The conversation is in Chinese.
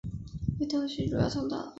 为东西主要通道。